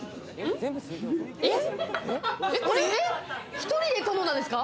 １人で頼んだんですか？